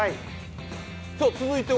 続いては？